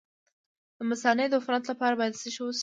د مثانې د عفونت لپاره باید څه شی وڅښم؟